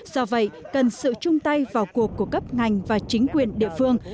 do vậy cần sự chung tay vào cuộc của cấp ngành và chính quyền địa phương